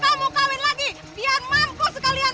kamu kawin lagi biar mampu sekalian